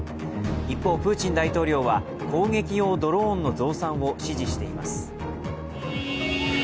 一方、プーチン大統領は攻撃用ドローンの増産を指示しています。